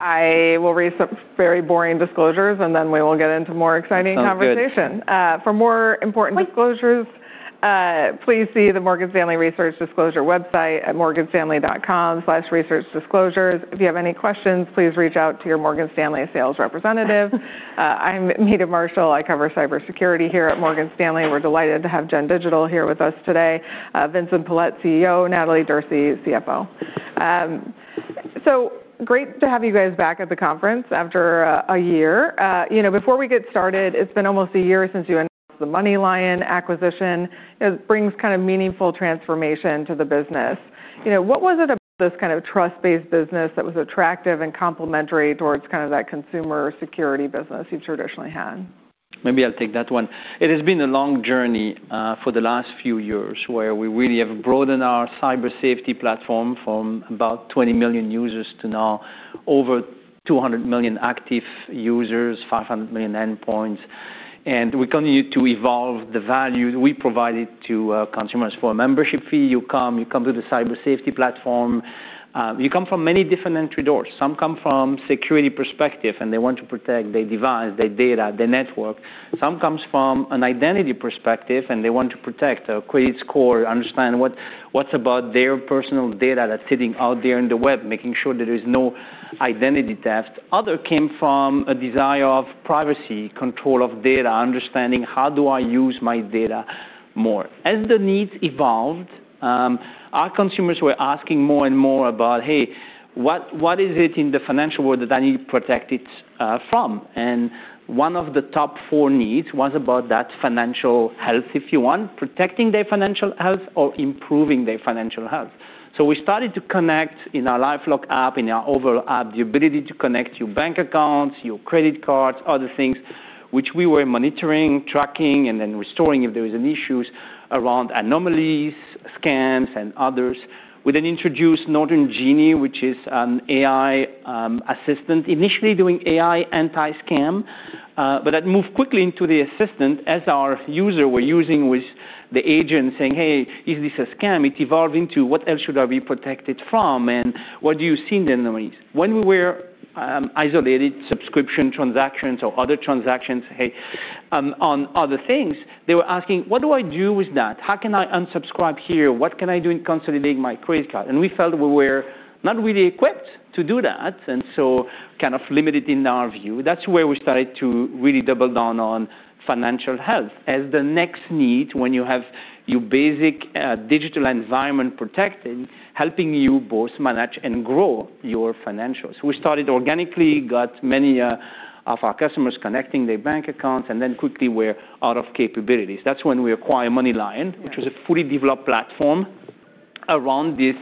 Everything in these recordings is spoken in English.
I will read some very boring disclosures, and then we will get into more exciting conversation. Sounds good. For more important disclosures, please see the Morgan Stanley Research Disclosure website at morganstanley.com/researchdisclosures. If you have any questions, please reach out to your Morgan Stanley sales representative. I'm Meta Marshall. I cover cybersecurity here at Morgan Stanley. We're delighted to have Gen Digital here with us today. Vincent Pilette, CEO, Natalie Derse, CFO. Great to have you guys back at the conference after a year. You know, before we get started, it's been almost a year since you announced the MoneyLion acquisition. It brings kind of meaningful transformation to the business. You know, what was it about this kind of trust-based business that was attractive and complementary towards kind of that consumer security business you traditionally had? Maybe I'll take that one. It has been a long journey for the last few years, where we really have broadened our Cyber Safety platform from about 20 million users to now over 200 million active users, 500 million endpoints. We continue to evolve the value we provided to consumers. For a membership fee, you come to the Cyber Safety platform. You come from many different entry doors. Some come from security perspective, and they want to protect their device, their data, their network. Some comes from an identity perspective, and they want to protect their credit score, understand what about their personal data that's sitting out there in the web, making sure there is no identity theft. Other came from a desire of privacy, control of data, understanding how do I use my data more. As the needs evolved, our consumers were asking more and more about, "Hey, what is it in the financial world that I need to protect it from?" One of the top four needs was about that financial health, if you want, protecting their financial health or improving their financial health. We started to connect in our LifeLock app, in our overall app, the ability to connect your bank accounts, your credit cards, other things which we were monitoring, tracking, and then restoring if there was any issues around anomalies, scams, and others. We introduced Norton Genie, which is an AI assistant initially doing AI anti-scam, but that moved quickly into the assistant as our user were using with the agent saying, "Hey, is this a scam?" It evolved into, "What else should I be protected from? What do you see the anomalies?" When we were isolated subscription transactions or other transactions, on other things, they were asking, "What do I do with that? How can I unsubscribe here? What can I do in consolidating my credit card?" We felt we were not really equipped to do that, and so kind of limited in our view. That's where we started to really double down on financial health as the next need when you have your basic digital environment protected, helping you both manage and grow your financials. We started organically, got many of our customers connecting their bank accounts, and then quickly we're out of capabilities. That's when we acquire MoneyLion, which was a fully developed platform around this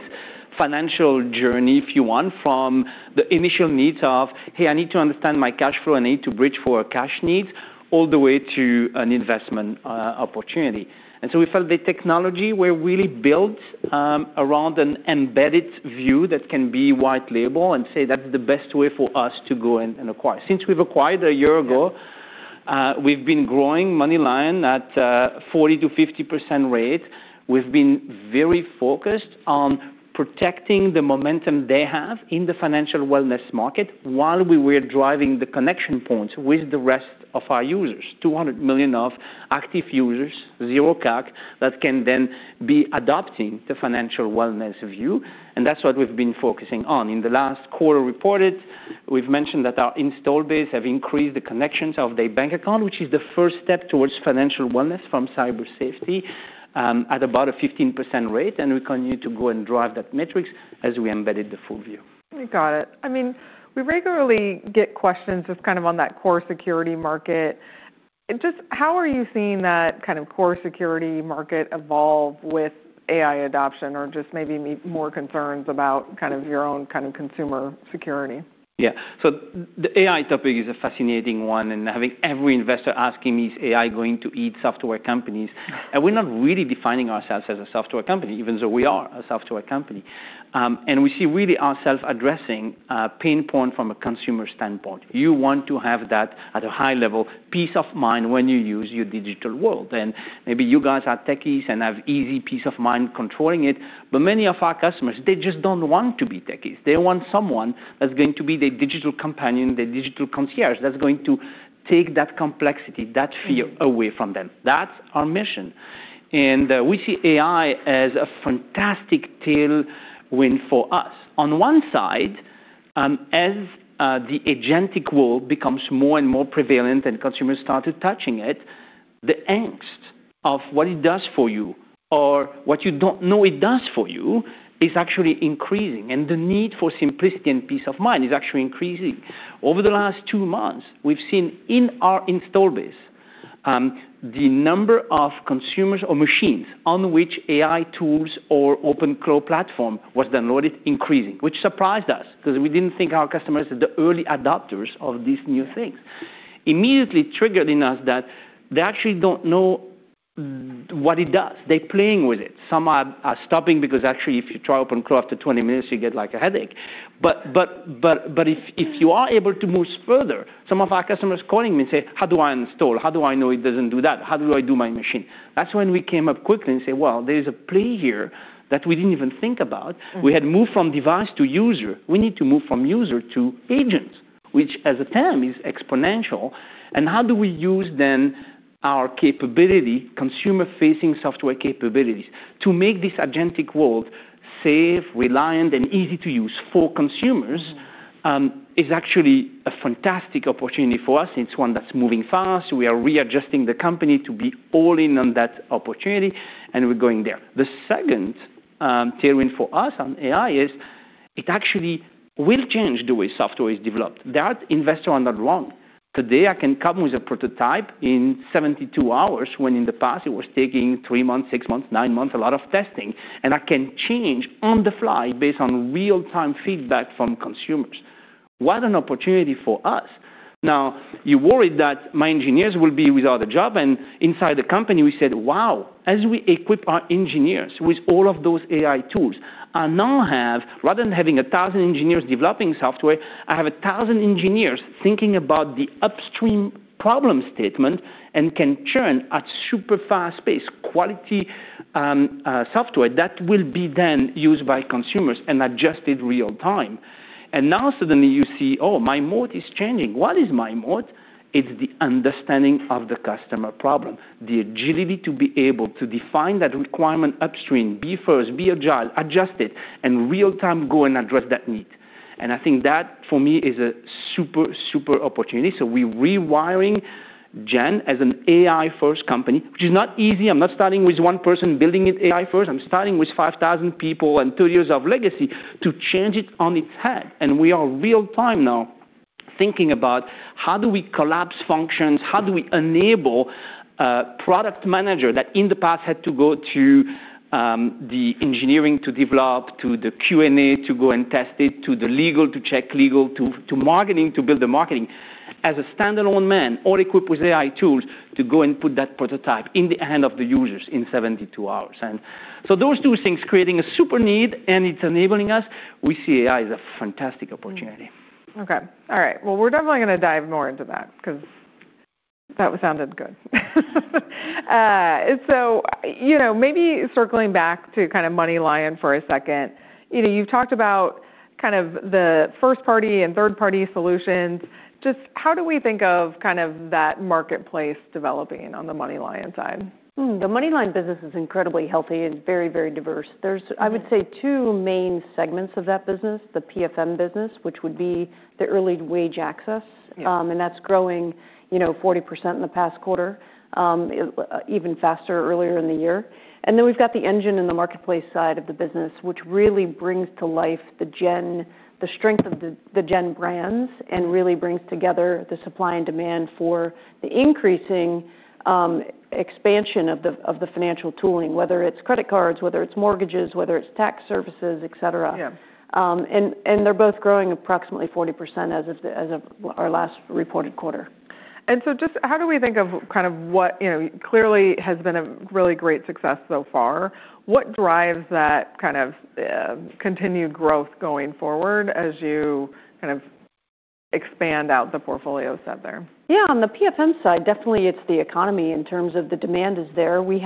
financial journey, if you want, from the initial needs of, "Hey, I need to understand my cash flow. I need to bridge for a cash need," all the way to an investment opportunity. We felt the technology were really built around an embedded view that can be white label and say that's the best way for us to go and acquire. Since we've acquired a year ago. We've been growing MoneyLion at a 40%-50% rate. We've been very focused on protecting the momentum they have in the financial wellness market while we were driving the connection points with the rest of our users. 200 million of active users, 0 CAC, that can then be adopting the financial wellness view, and that's what we've been focusing on. In the last quarter reported, we've mentioned that our install base have increased the connections of their bank account, which is the first step towards financial wellness from Cyber Safety, at about a 15% rate, and we continue to go and drive that metrics as we embedded the full view. We got it. I mean, we regularly get questions just kind of on that core security market. Just how are you seeing that kind of core security market evolve with AI adoption or just maybe more concerns about kind of your own kind of consumer security? Yeah. The AI topic is a fascinating one, having every investor asking, "Is AI going to eat software companies?" We're not really defining ourselves as a software company, even though we are a software company. We see really ourself addressing a pain point from a consumer standpoint. You want to have that at a high level peace of mind when you use your digital world. Maybe you guys are techies and have easy peace of mind controlling it, but many of our customers, they just don't want to be techies. They want someone that's going to be their digital companion, their digital concierge, that's going to take that complexity, that fear away from them. That's our mission. We see AI as a fantastic tailwind for us. On one side, as the agentic world becomes more and more prevalent and consumers started touching it, the angst of what it does for you or what you don't know it does for you is actually increasing, and the need for simplicity and peace of mind is actually increasing. Over the last two months, we've seen in our install base, the number of consumers or machines on which AI tools or OpenClaw platform was downloaded increasing, which surprised us 'cause we didn't think our customers are the early adopters of these new things. Immediately triggered in us that they actually don't know what it does. They're playing with it. Some are stopping because actually if you try OpenClaw after 20 minutes, you get like a headache. If you are able to move further, some of our customers calling me say, "How do I install? How do I know it doesn't do that? How do I do my machine?" That's when we came up quickly and say, "Well, there's a play here that we didn't even think about." Mm-hmm. We had moved from device to user. We need to move from user to agent, which as a term is exponential. How do we use then our capability, consumer-facing software capabilities to make this agentic world safe, reliant, and easy to use for consumers, is actually a fantastic opportunity for us. It's one that's moving fast. We are readjusting the company to be all in on that opportunity, and we're going there. The second tailwind for us on AI is it actually will change the way software is developed. That investor are not wrong. Today, I can come with a prototype in 72 hours, when in the past it was taking three months, six months, nine months, a lot of testing. I can change on the fly based on real-time feedback from consumers. What an opportunity for us. Now, you worried that my engineers will be without a job, and inside the company we said, "Wow," as we equip our engineers with all of those AI tools. Rather than having 1,000 engineers developing software, I have 1,000 engineers thinking about the upstream problem statement and can churn at super fast pace, quality, software that will be then used by consumers and adjusted real time. Now suddenly you see, oh, my moat is changing. What is my moat? It's the understanding of the customer problem, the agility to be able to define that requirement upstream, be first, be agile, adjust it, in real time go and address that need. I think that, for me, is a super opportunity. We rewiring Gen as an AI-first company, which is not easy. I'm not starting with one person building it AI first. I'm starting with 5,000 people and two years of legacy to change it on its head. We are real time now thinking about how do we collapse functions, how do we enable a product manager that in the past had to go to the engineering to develop, to the QA to go and test it, to the legal to check legal, to marketing to build the marketing. As a standalone man, all equipped with AI tools to go and put that prototype in the hand of the users in 72 hours. Those two things, creating a super need and it's enabling us, we see AI as a fantastic opportunity. Okay. All right. Well, we're definitely gonna dive more into that because that sounded good. You know, maybe circling back to kind of MoneyLion for a second. You know, you've talked about kind of the first-party and third-party solutions. Just how do we think of kind of that marketplace developing on the MoneyLion side? The MoneyLion business is incredibly healthy and very, very diverse. There's, I would say, two main segments of that business. The PFM business, which would be the early wage access. Yeah. That's growing, you know, 40% in the past quarter, even faster earlier in the year. Then we've got the Engine and the marketplace side of the business, which really brings to life the strength of the Gen brands and really brings together the supply and demand for the increasing expansion of the financial tooling, whether it's credit cards, whether it's mortgages, whether it's tax services, et cetera. Yeah. They're both growing approximately 40% as of our last reported quarter. Just how do we think of kind of what, you know, clearly has been a really great success so far? What drives that kind of continued growth going forward as you kind of expand out the portfolio set there? Yeah. On the PFM side, definitely it's the economy in terms of the demand is there. We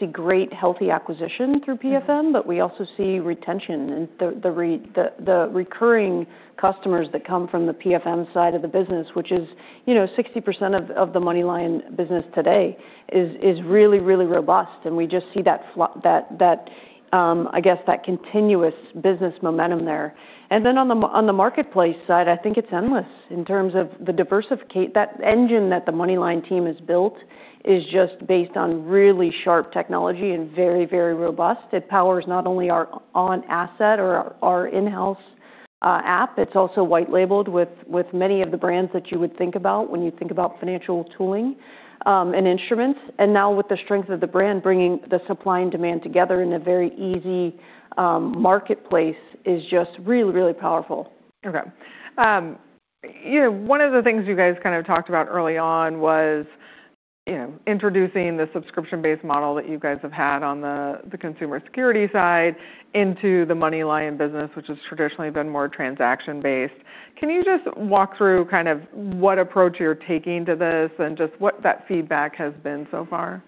see great healthy acquisition through PFM. We also see retention and the recurring customers that come from the PFM side of the business, which is, you know, 60% of the MoneyLion business today is really, really robust, and we just see that continuous business momentum there. Then on the marketplace side, I think it's endless in terms of the diversification. That Engine that the MoneyLion team has built is just based on really sharp technology and very, very robust. It powers not only our on asset or our in-house app, it's also white labeled with many of the brands that you would think about when you think about financial tooling and instruments. Now with the strength of the brand, bringing the supply and demand together in a very easy, marketplace is just really, really powerful. Okay. You know, one of the things you guys kind of talked about early on was, you know, introducing the subscription-based model that you guys have had on the consumer security side into the MoneyLion business, which has traditionally been more transaction-based. Can you just walk through kind of what approach you're taking to this and just what that feedback has been so far?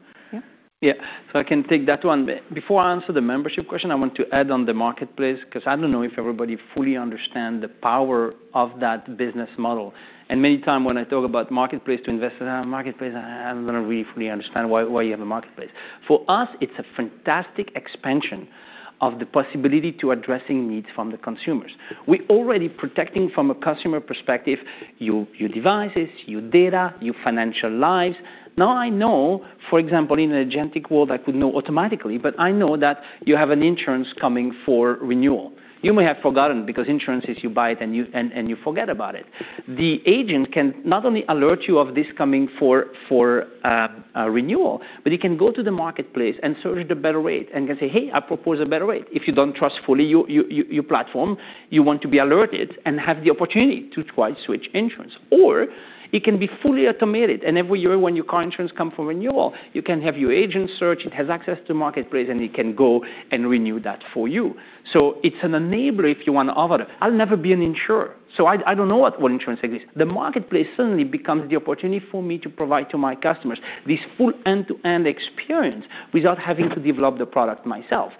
Yeah. I can take that one. Before I answer the membership question, I want to add on the marketplace, 'cause I don't know if everybody fully understand the power of that business model. Many time when I talk about marketplace to investors, "Marketplace, I don't really fully understand why you have a marketplace." For us, it's a fantastic expansion of the possibility to addressing needs from the consumers. We're already protecting from a customer perspective your devices, your data, your financial lives. I know, for example, in an agentic world, I could know automatically, but I know that you have an insurance coming for renewal. You may have forgotten because insurance is you buy it and you forget about it. The agent can not only alert you of this coming for a renewal, but it can go to the marketplace and search the better rate and can say, "Hey, I propose a better rate." If you don't trust fully your platform, you want to be alerted and have the opportunity to twice switch insurance, or it can be fully automated, and every year when your car insurance come for renewal, you can have your agent search, it has access to marketplace, and it can go and renew that for you. It's an enabler if you want to offer. I'll never be an insurer, so I don't know what insurance exists. The marketplace suddenly becomes the opportunity for me to provide to my customers this full end-to-end experience without having to develop the product myself.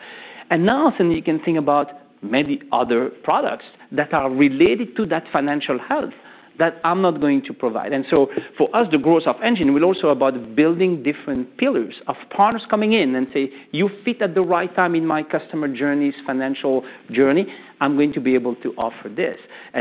Now suddenly you can think about maybe other products that are related to that financial health that I'm not going to provide. For us, the growth of Engine will also about building different pillars of partners coming in and say, "You fit at the right time in my customer journey's financial journey. I'm going to be able to offer this."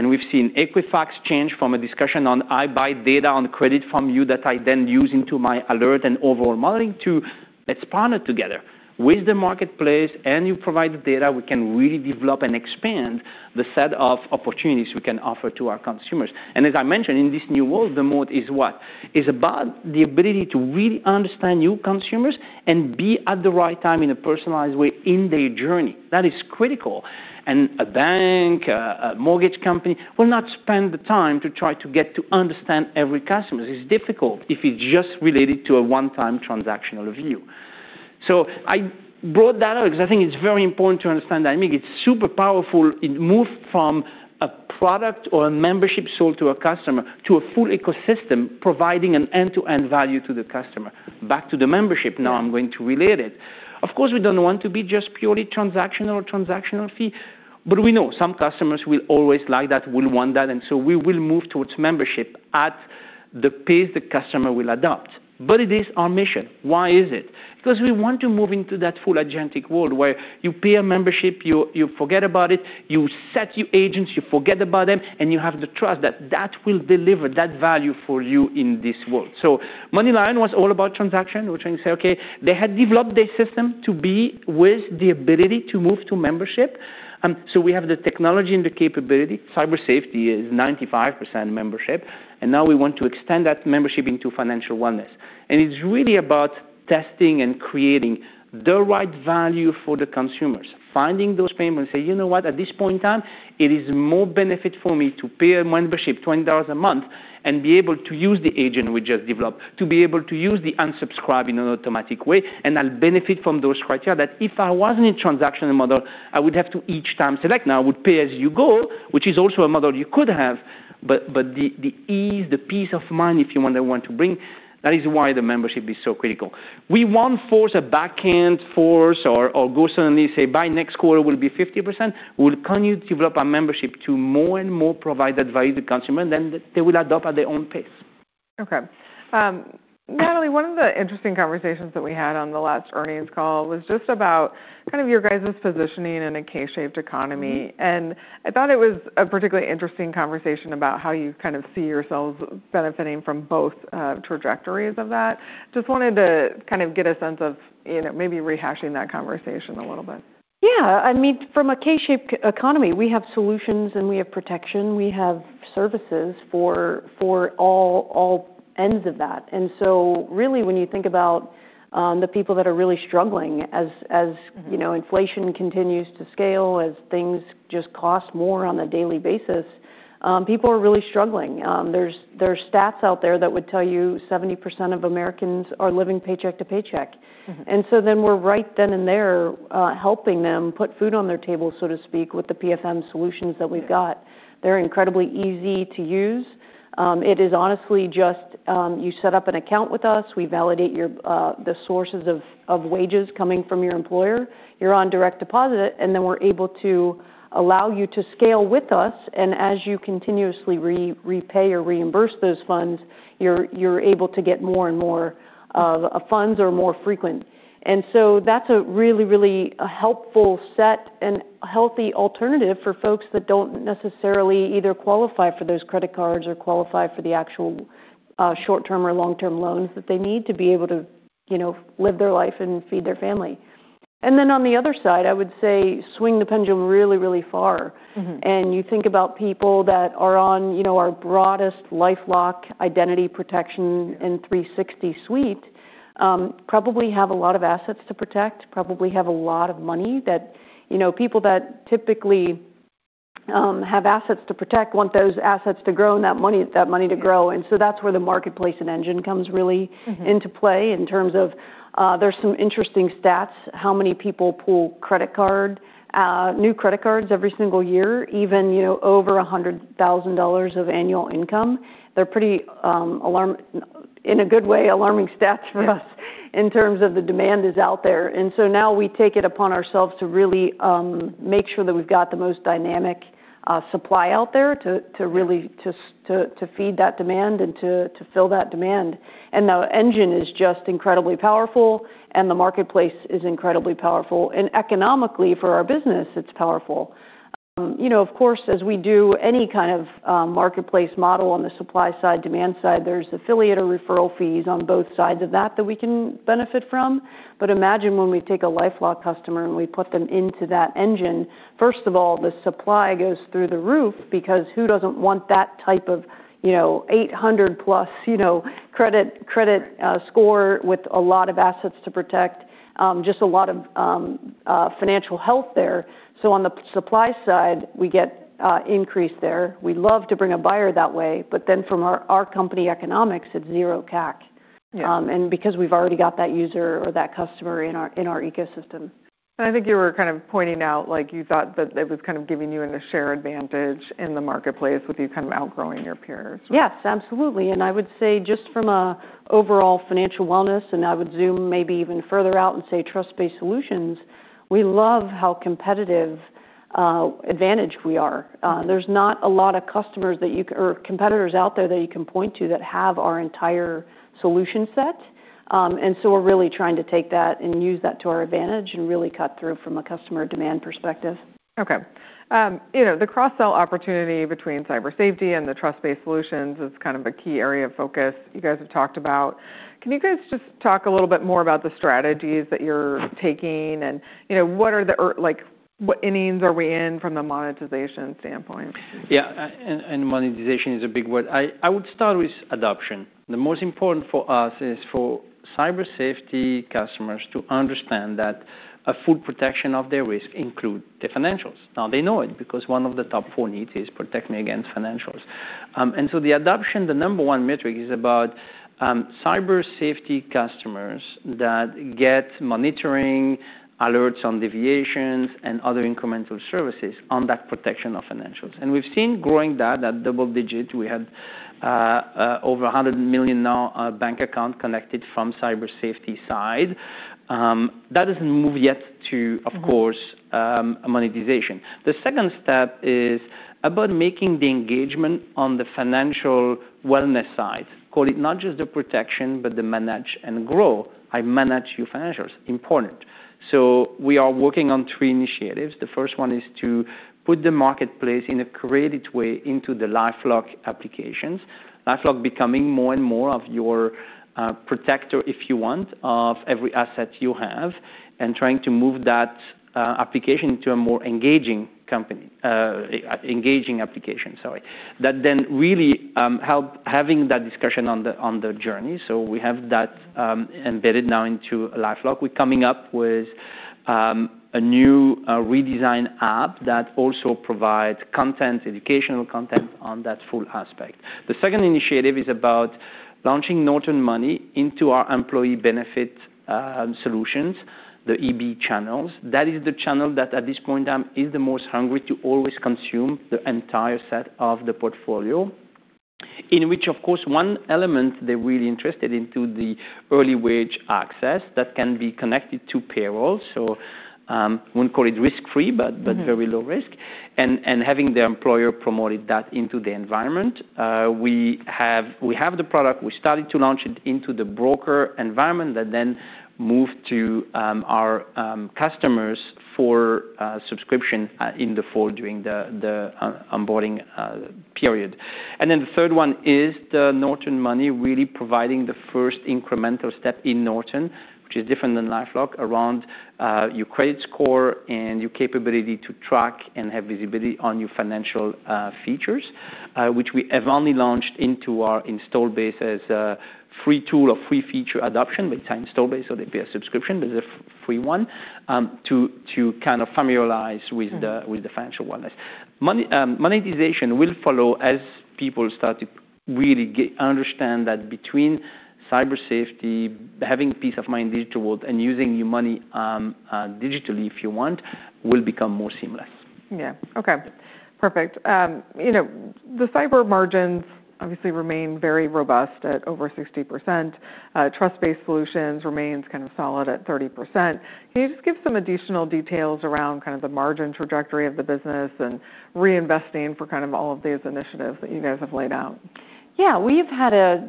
We've seen Equifax change from a discussion on I buy data on credit from you that I then use into my alert and overall modeling to let's partner together. With the marketplace and you provide the data, we can really develop and expand the set of opportunities we can offer to our consumers. As I mentioned, in this new world, the moat is what? It's about the ability to really understand new consumers and be at the right time in a personalized way in their journey. That is critical. A bank, a mortgage company will not spend the time to try to get to understand every customer. It's difficult if it's just related to a one-time transactional view. I brought that up because I think it's very important to understand that. I mean, it's super powerful. It moved from a product or a membership sold to a customer to a full ecosystem providing an end-to-end value to the customer. Back to the membership now I'm going to relate it. Of course, we don't want to be just purely transactional fee, but we know some customers will always like that, will want that. We will move towards membership at the pace the customer will adopt. It is our mission. Why is it? Because we want to move into that full agentic world where you pay a membership, you forget about it, you set your agents, you forget about them, and you have the trust that that will deliver that value for you in this world. MoneyLion was all about transaction. We're trying to say, okay, they had developed a system to be with the ability to move to membership. We have the technology and the capability. Cyber Safety is 95% membership, now we want to extend that membership into financial wellness. It's really about testing and creating the right value for the consumers, finding those payments, say, "You know what? At this point in time, it is more benefit for me to pay a membership $20 a month and be able to use the agent we just developed to be able to use the unsubscribe in an automatic way. I'll benefit from those criteria that if I wasn't in transactional model, I would have to each time select." Now I would pay as you go, which is also a model you could have, but the ease, the peace of mind if you want to bring, that is why the membership is so critical. We won't force a backend force or go suddenly say by next quarter will be 50%. We'll continue to develop our membership to more and more provide that value to consumer. They will adopt at their own pace. Natalie, one of the interesting conversations that we had on the last earnings call was just about kind of your guys' positioning in a K-shaped economy. I thought it was a particularly interesting conversation about how you kind of see yourselves benefiting from both trajectories of that. Just wanted to kind of get a sense of, you know, maybe rehashing that conversation a little bit. Yeah. I mean, from a K-shaped economy, we have solutions, and we have protection. We have services for all ends of that. Really when you think about the people that are really struggling as, you know, inflation continues to scale, as things just cost more on a daily basis, people are really struggling. There's stats out there that would tell you 70% of Americans are living paycheck to paycheck. Mm-hmm. We're right then and there, helping them put food on their table, so to speak, with the PFM solutions that we've got. They're incredibly easy to use. It is honestly just, you set up an account with us, we validate your the sources of wages coming from your employer. You're on direct deposit, and then we're able to allow you to scale with us, and as you continuously repay or reimburse those funds, you're able to get more and more funds or more frequent. That's a really, really helpful set and healthy alternative for folks that don't necessarily either qualify for those credit cards or qualify for the actual short-term or long-term loans that they need to be able to, you know, live their life and feed their family. On the other side, I would say swing the pendulum really, really far. Mm-hmm. You think about people that are on, you know, our broadest LifeLock identity protection and 360 suite, probably have a lot of assets to protect, probably have a lot of money that. You know, people that typically, have assets to protect want those assets to grow and that money to grow. That's where the marketplace and Engine comes really into play in terms of, there's some interesting stats, how many people pull credit card, new credit cards every single year, even, you know, over $100,000 of annual income. They're pretty, in a good way, alarming stats for us in terms of the demand is out there. Now we take it upon ourselves to really make sure that we've got the most dynamic supply out there to really, to feed that demand and to fill that demand. Now Engine is just incredibly powerful, the marketplace is incredibly powerful. Economically for our business, it's powerful. you know, of course, as we do any kind of marketplace model on the supply side, demand side, there's affiliate or referral fees on both sides of that that we can benefit from. Imagine when we take a LifeLock customer and we put them into that Engine. First of all, the supply goes through the roof because who doesn't want that type of, you know, 800+, you know, credit score with a lot of assets to protect, just a lot of financial health there. On the supply side, we get increase there. We love to bring a buyer that way, but then from our company economics, it's zero CAC. Because we've already got that user or that customer in our, in our ecosystem. I think you were kind of pointing out, like, you thought that it was kind of giving you a share advantage in the marketplace with you kind of outgrowing your peers. Yes, absolutely. I would say just from a overall financial wellness, and I would zoom maybe even further out and say Trust-Based Solutions, we love how competitive advantage we are. There's not a lot of customers that or competitors out there that you can point to that have our entire solution set. We're really trying to take that and use that to our advantage and really cut through from a customer demand perspective. Okay. You know, the cross-sell opportunity between Cyber Safety and the Trust-Based Solutions is kind of a key area of focus you guys have talked about. Can you guys just talk a little bit more about the strategies that you're taking and, you know, what are the like, what innings are we in from the monetization standpoint? Yeah. And monetization is a big word. I would start with adoption. The most important for us is for Cyber Safety customers to understand that a full protection of their risk include the financials. Now, they know it because one of the top four needs is protect me against financials. The adoption, the number one metric is about Cyber Safety customers that get monitoring alerts on deviations and other incremental services on that protection of financials. We've seen growing that double digit. We had over $100 million now bank account connected from Cyber Safety side. That doesn't move yet to, of course monetization. The second step is about making the engagement on the financial wellness side. Call it not just the protection, but the manage and grow. I manage your financials, important. We are working on three initiatives. The first one is to put the marketplace in a creative way into the LifeLock applications. LifeLock becoming more and more of your protector, if you want, of every asset you have, and trying to move that application to a more engaging company, engaging application, sorry. That then really help having that discussion on the journey. We have that embedded now into LifeLock. We're coming up with a new redesign app that also provides content, educational content on that full aspect. The second initiative is about launching Norton Money into our employee benefit solutions, the EB channels. That is the channel that at this point, is the most hungry to always consume the entire set of the portfolio. In which, of course, one element they're really interested into the early wage access that can be connected to payroll. Wouldn't call it risk-free. Mm-hmm. But very low risk. Having the employer promoted that into the environment. We have the product. We started to launch it into the broker environment that then move to our customers for subscription in the fall during the onboarding period. The third one is the Norton Money really providing the first incremental step in Norton, which is different than LifeLock around your credit score and your capability to track and have visibility on your financial features, which we have only launched into our install base as a free tool or free feature adoption with time install base, so there'd be a subscription. There's a free one to kind of familiarize with the financial wellness. Monetization will follow as people start to really understand that between Cyber Safety, having peace of mind digital world, and using your money digitally, if you want, will become more seamless. Okay, perfect. You know, the cyber margins obviously remain very robust at over 60%. Trust-Based Solutions remains kind of solid at 30%. Can you just give some additional details around kind of the margin trajectory of the business and reinvesting for kind of all of these initiatives that you guys have laid out? Yeah. We've had a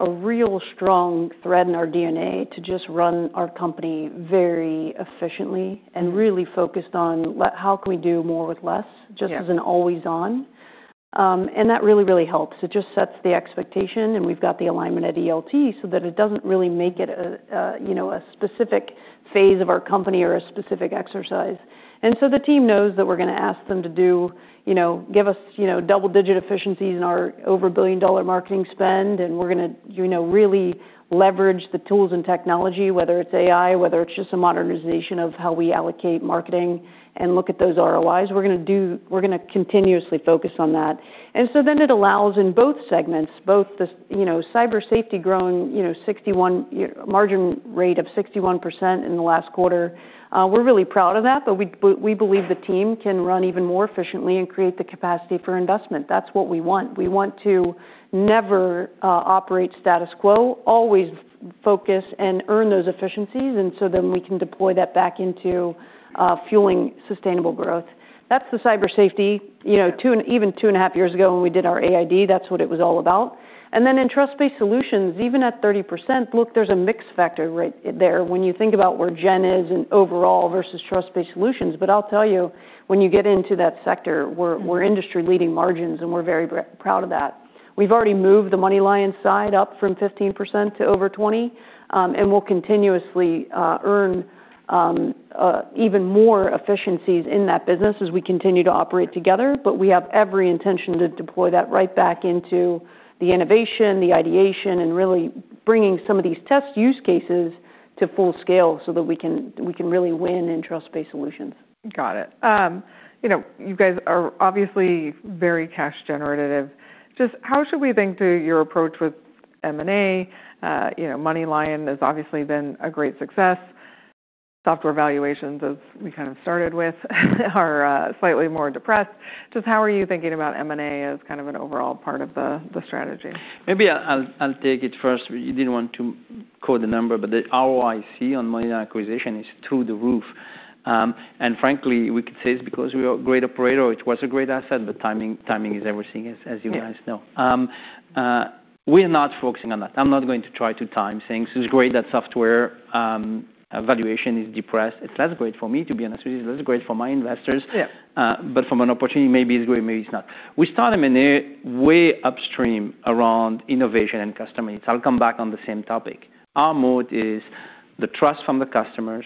real strong thread in our DNA to just run our company very efficiently and really focused on how can we do more with less. Just as an always on. That really, really helps. It just sets the expectation, and we've got the alignment at ELT so that it doesn't really make it a, you know, a specific phase of our company or a specific exercise. The team knows that we're gonna ask them to do, you know, give us, you know, double-digit efficiencies in our over a billion-dollar marketing spend, and we're gonna, you know, really leverage the tools and technology, whether it's AI, whether it's just a modernization of how we allocate marketing and look at those ROIs. We're gonna continuously focus on that. It allows in both segments, both this, you know, Cyber Safety growing, you know, 61% margin rate of 61% in the last quarter. We're really proud of that, we believe the team can run even more efficiently and create the capacity for investment. That's what we want. We want to never operate status quo, always focus and earn those efficiencies, we can deploy that back into fueling sustainable growth. That's the Cyber Safety. You know, 2.5 years ago when we did our AID, that's what it was all about. In Trust-Based Solutions, even at 30%, look, there's a mix factor there when you think about where Gen is and overall versus Trust-Based Solutions. I'll tell you, when you get into that sector, we're industry-leading margins, and we're very proud of that. We've already moved the MoneyLion side up from 15% to over 20%, and we'll continuously earn even more efficiencies in that business as we continue to operate together. But we have every intention to deploy that right back into the innovation, the ideation, and really bringing some of these test use cases to full scale so that we can really win in Trust-Based Solutions. Got it. You know, you guys are obviously very cash generative. Just how should we think through your approach with M&A? You know, MoneyLion has obviously been a great success. Software valuations, as we kind of started with are, slightly more depressed. Just how are you thinking about M&A as kind of an overall part of the strategy? Maybe I'll take it first. You didn't want to quote the number, but the ROIC on MoneyLion acquisition is through the roof. Frankly, we could say it's because we are a great operator, or it was a great asset, but timing is everything as you guys know. We're not focusing on that. I'm not going to try to time things. It's great that software valuation is depressed. It's less great for me, to be honest with you. It's less great for my investors. Yeah. From an opportunity, maybe it's great, maybe it's not. We start M&A way upstream around innovation and customer needs. I'll come back on the same topic. Our moat is the trust from the customers,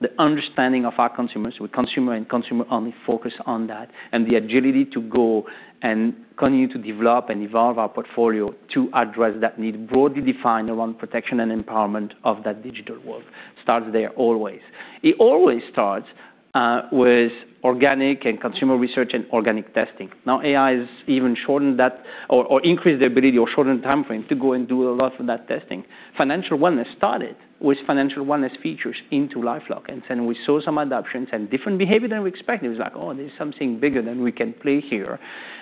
the understanding of our consumers. We're consumer and consumer only focus on that, and the agility to go and continue to develop and evolve our portfolio to address that need broadly defined around protection and empowerment of that digital world. Starts there always. It always starts with organic and consumer research and organic testing. Now AI has even shortened that or increased the ability or shortened the timeframe to go and do a lot of that testing. Financial wellness started with financial wellness features into LifeLock, and then we saw some adaptations and different behavior than we expected. It was like, "Oh, there's something bigger than we can play here."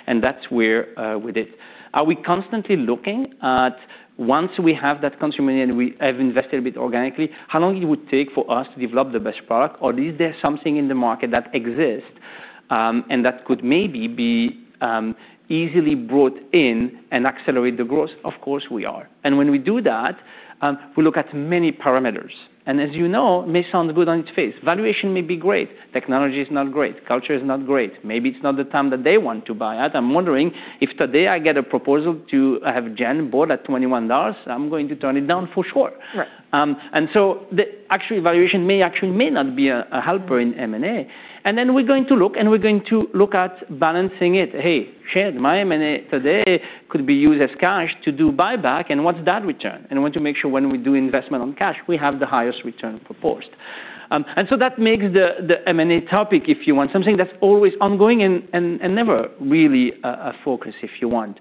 And that's where we did. Are we constantly looking at once we have that consumer and we have invested a bit organically, how long it would take for us to develop the best product? Or is there something in the market that exists, and that could maybe be easily brought in and accelerate the growth? Of course we are. When we do that, we look at many parameters. As you know, it may sound good on its face. Valuation may be great. Technology is not great. Culture is not great. Maybe it's not the time that they want to buy it. I'm wondering if today I get a proposal to have Gen bought at $21, I'm going to turn it down for sure. Right. The actually valuation may actually may not be a helper in M&A. We're going to look at balancing it. Hey, Gen, my M&A today could be used as cash to do buyback. What's that return? I want to make sure when we do investment on cash, we have the highest return proposed. That makes the M&A topic, if you want, something that's always ongoing and never really a focus if you want.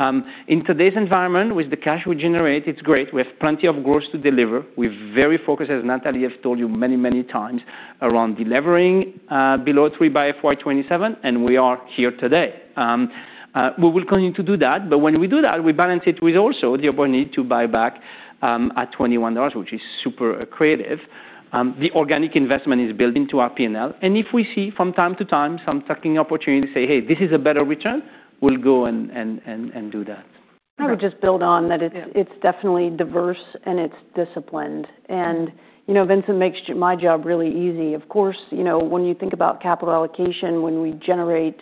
In today's environment with the cash we generate, it's great. We have plenty of growth to deliver. We're very focused, as Natalie has told you many, many times, around delevering below 3x by FY 2027. We are here today. We will continue to do that. When we do that, we balance it with also the opportunity to buy back at $21, which is super accretive. The organic investment is built into our P&L. If we see from time to time some [tuck-in] opportunity to say, "Hey, this is a better return," we'll go and do that. I would just build on that. Yeah. It's definitely diverse and it's disciplined. You know, Vincent makes my job really easy. Of course, you know, when you think about capital allocation, when we generate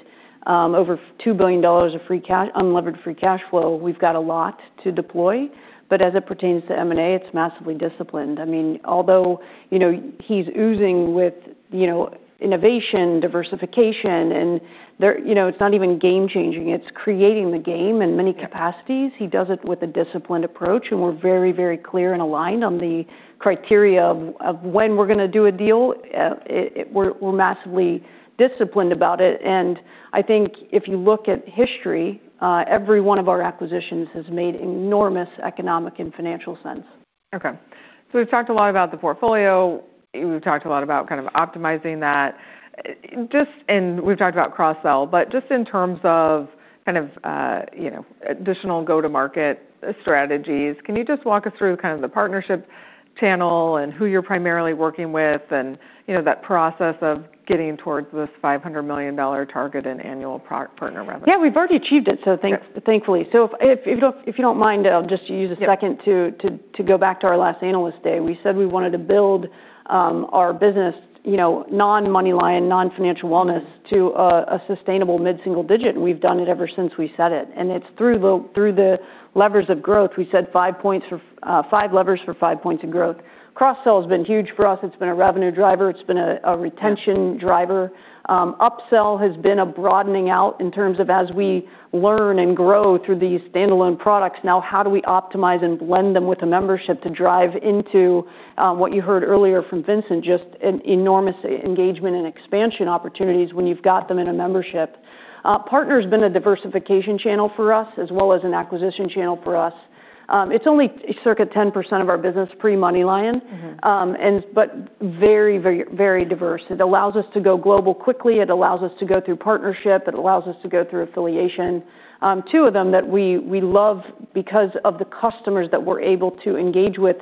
over $2 billion of free cash, unlevered free cash flow, we've got a lot to deploy. As it pertains to M&A, it's massively disciplined. I mean, although, you know, he's oozing with, you know, innovation, diversification, and there, you know, it's not even game changing, it's creating the game in many capacities. He does it with a disciplined approach, and we're very, very clear and aligned on the criteria of when we're gonna do a deal. It, we're massively disciplined about it. I think if you look at history, every one of our acquisitions has made enormous economic and financial sense. We've talked a lot about the portfolio. We've talked a lot about kind of optimizing that. Just, and we've talked about cross-sell, but just in terms of kind of, you know, additional go-to-market strategies, can you just walk us through kind of the partnership channel and who you're primarily working with and, you know, that process of getting towards this $500 million target in annual pro- partner revenue? Yeah, we've already achieved it, so thankfully. If you don't mind, I'll just use a second to go back to our last Analyst Day. We said we wanted to build, our business, you know, non-MoneyLion, non-financial wellness to a sustainable mid-single digit, and we've done it ever since we said it. It's through the levers of growth. We said 5x levers for 5 points of growth. Cross-sell has been huge for us. It's been a revenue driver. It's been a retention driver. Upsell has been a broadening out in terms of as we learn and grow through these standalone products, now how do we optimize and blend them with a membership to drive into what you heard earlier from Vincent, just an enormous engagement and expansion opportunities when you've got them in a membership. Partner's been a diversification channel for us as well as an acquisition channel for us. It's only circa 10% of our business pre-MoneyLion. Mm-hmm. Very, very, very diverse. It allows us to go global quickly. It allows us to go through partnership. It allows us to go through affiliation. Two of them that we love because of the customers that we're able to engage with,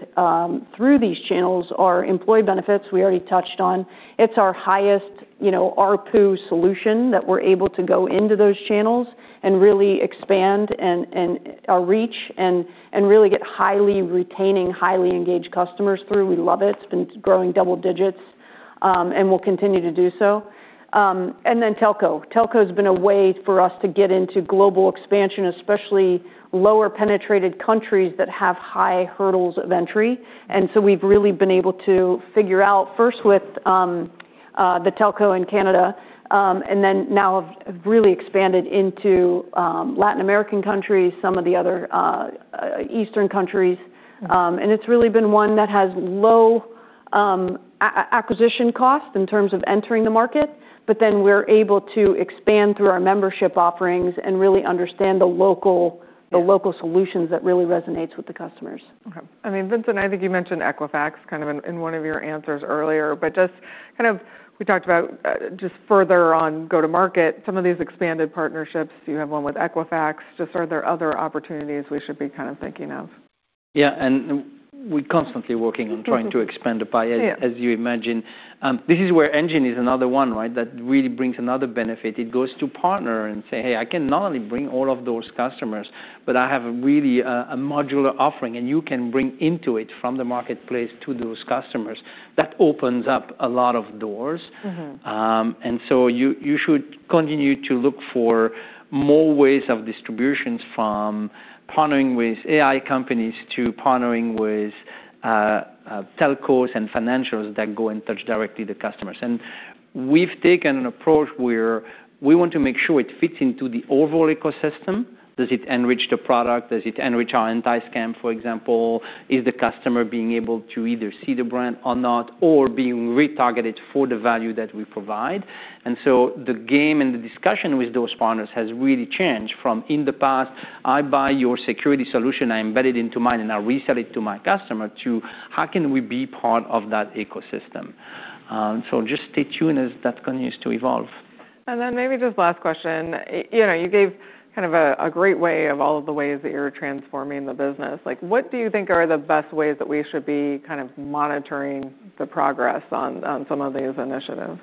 through these channels are employee benefits we already touched on. It's our highest, you know, ARPU solution that we're able to go into those channels and really expand and our reach and really get highly retaining, highly engaged customers through. We love it. It's been growing double digits, and will continue to do so. Telco. Telco's been a way for us to get into global expansion, especially lower penetrated countries that have high hurdles of entry. We've really been able to figure out first with the telco in Canada, and then now have really expanded into Latin American countries, some of the other Eastern countries. It's really been one that has low acquisition costs in terms of entering the market, but then we're able to expand through our membership offerings and really understand the local, the local solutions that really resonates with the customers. Okay. I mean, Vincent, I think you mentioned Equifax kind of in one of your answers earlier, but just kind of we talked about, just further on go-to-market, some of these expanded partnerships. You have one with Equifax. Just are there other opportunities we should be kind of thinking of? Yeah, we're constantly working on trying to expand the pie as you imagine. This is where Engine is another one, right? That really brings another benefit. It goes to partner and say, "Hey, I can not only bring all of those customers, but I have really a modular offering, and you can bring into it from the marketplace to those customers." That opens up a lot of doors. Mm-hmm. You should continue to look for more ways of distributions from partnering with AI companies to partnering with telcos and financials that go and touch directly the customers. We've taken an approach where we want to make sure it fits into the overall ecosystem. Does it enrich the product? Does it enrich our anti-scam, for example? Is the customer being able to either see the brand or not, or being retargeted for the value that we provide? So the game and the discussion with those partners has really changed from in the past, I buy your security solution, I embed it into mine, and I resell it to my customer, to how can we be part of that ecosystem? Just stay tuned as that continues to evolve. Maybe just last question? You know, you gave kind of a great way of all of the ways that you're transforming the business. Like, what do you think are the best ways that we should be kind of monitoring the progress on some of these initiatives?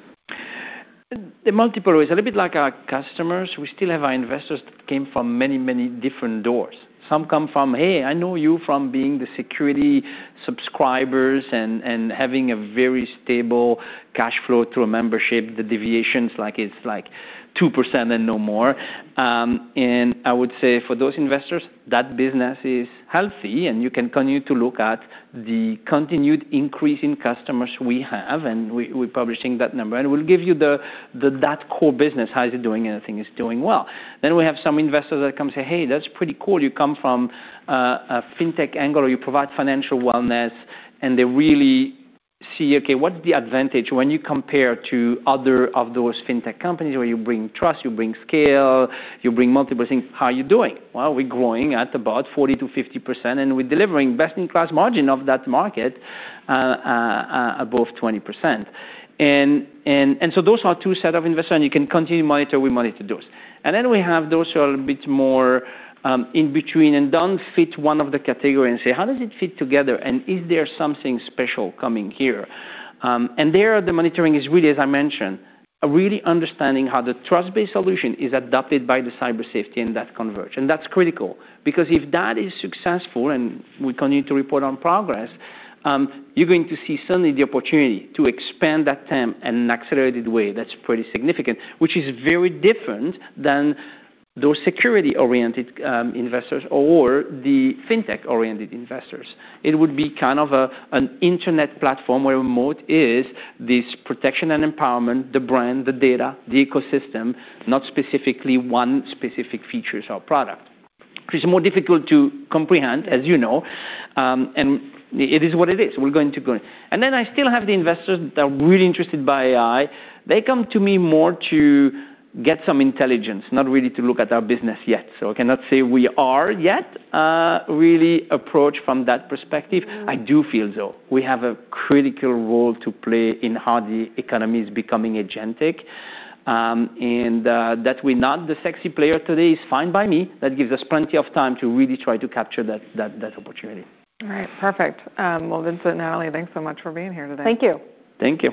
The multiple ways. A little bit like our customers, we still have our investors that came from many, many different doors. Some come from, "Hey, I know you from being the security subscribers and having a very stable cash flow through a membership." The deviations like it's like 2% and no more. I would say for those investors, that business is healthy and you can continue to look at the continued increase in customers we have, and we're publishing that number. We'll give you the that core business, how is it doing? I think it's doing well. We have some investors that come say, "Hey, that's pretty cool. You come from a fintech angle or you provide financial wellness." And they really see, okay, what's the advantage when you compare to other of those fintech companies where you bring trust, you bring scale, you bring multiple things. How are you doing? Well, we're growing at about 40%-50%, and we're delivering best-in-class margin of that market, above 20%. Those are two set of investors, and you can continue to monitor. We monitor those. We have those who are a bit more, in between and don't fit one of the category and say, "How does it fit together? And is there something special coming here?" The monitoring is really, as I mentioned, really understanding how the Trust-Based Solution is adopted by the Cyber Safety in that converge. That's critical because if that is successful and we continue to report on progress, you're going to see suddenly the opportunity to expand that TAM in an accelerated way that's pretty significant, which is very different than those security-oriented investors or the fintech-oriented investors. It would be kind of an internet platform where moat is this protection and empowerment, the brand, the data, the ecosystem, not specifically one specific features or product, which is more difficult to comprehend, as you know, and it is what it is. We're going to grow. Then I still have the investors that are really interested by AI. They come to me more to get some intelligence, not really to look at our business yet. I cannot say we are yet really approached from that perspective. I do feel though, we have a critical role to play in how the economy is becoming agentic, and that we're not the sexy player today is fine by me. That gives us plenty of time to really try to capture that opportunity. All right. Perfect. Well, Vincent and Natalie, thanks so much for being here today. Thank you. Thank you.